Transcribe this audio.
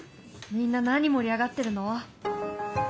みんな何盛り上がってるの？